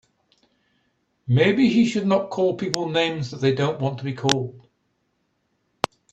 Maybe he should not call people names that they don't want to be called.